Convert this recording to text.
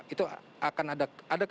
itu akan ada